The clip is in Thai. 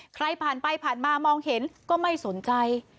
ใครผ่านไปผ่านมามองเห็นก็ไม่สนใจ